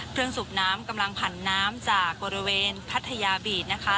เครื่องสูบน้ำกำลังผ่านน้ำจากบริเวณพัทยาบีทนะคะ